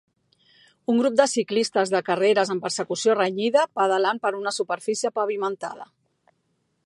Un grup de ciclistes de carreres en persecució renyida, pedalant per una superfície pavimentada.